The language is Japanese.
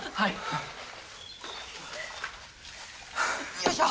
よいしょ！